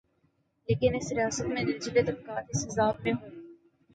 لیکن اس ریاست میں نچلے طبقات اس عذاب میں ہوں۔